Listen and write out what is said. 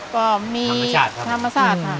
ก็มีธรรมชาติ